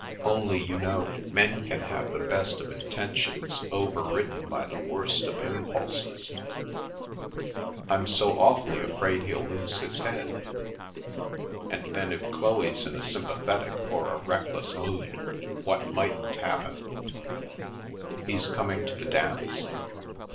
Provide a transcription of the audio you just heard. Only, you know, men can have the best of intentions over ridden by the worst of impulses. I'm so awfully afraid he'll lose his head, and then, if Chloe's in a sympathetic or a reckless mood, what mightn't happen ?"" He's coming to the dance